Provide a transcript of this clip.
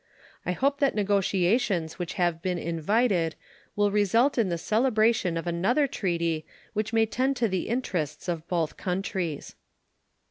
I hope that negotiations which have been invited will result in the celebration of another treaty which may tend to the interests of both countries.